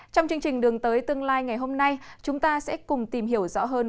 trong chương trình đường tới tương lai ngày hôm nay chúng ta sẽ cùng tìm hiểu rõ hơn